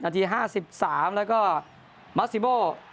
นาทีห้าสิบสามแล้วก็มัสซิโบ